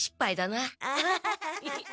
アハハハハ。